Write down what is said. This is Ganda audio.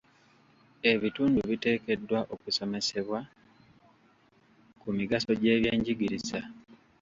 Ebitundu biteekeddwa okusomesebwa ku migaso gy'ebyenjigiriza.